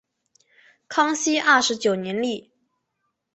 康熙二十九年立。